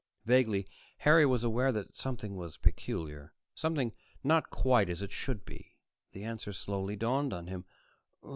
Vaguely, Harry was aware that something was peculiar, something not quite as it should be. The answer slowly dawned on him.